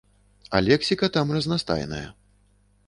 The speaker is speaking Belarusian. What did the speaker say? А лексіка там разнастайная.